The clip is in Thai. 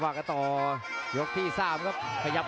หัวจิตหัวใจแก่เกินร้อยครับ